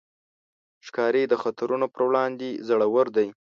ښکاري د خطرونو پر وړاندې زړور دی.